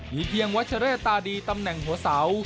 มีเพียงวัชเรตตาดีตำแหน่งหัวเสา